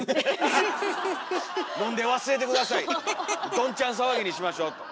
どんちゃん騒ぎにしましょうと。